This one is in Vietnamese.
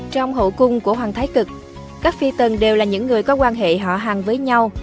trong hậu cung của hoàng thái cực các phi tần đều là những người có quan hệ họ hàng với nhau